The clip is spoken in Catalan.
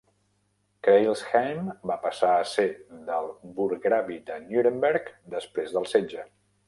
Crailsheim va passar a ser del burggravi de Nuremberg després del setge.